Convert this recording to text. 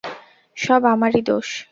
সব আমার-ই দোষ।